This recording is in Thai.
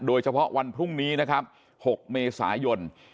โดยเฉพาะวันพรุ่งนี้นะครับ๖เมษายน